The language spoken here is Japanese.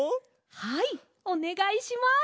はいおねがいします！